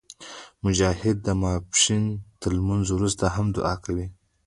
مجاهد د ماسپښین تر لمونځه وروسته هم دعا کوي.